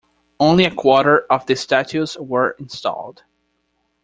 Only a quarter of the statues were installed.